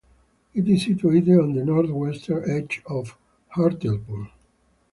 It is situated on the north-western edge of Hartlepool.